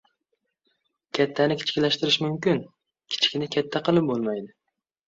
• Kattani kichiklashtirish mumkin, kichikni katta qilib bo‘lmaydi.